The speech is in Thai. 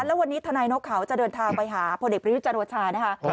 และวันนี้ทนายนกเขาจะเดินทางไปหาผลเด็กประโยชน์จันทรานะคะ